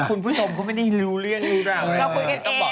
คุณผู้ชมคุณไม่ได้รู้เรื่องอีกหรอก